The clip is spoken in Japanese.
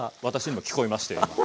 私にも聞こえましたよ